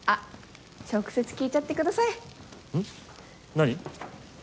何？